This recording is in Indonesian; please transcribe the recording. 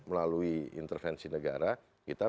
melalui intervensi negara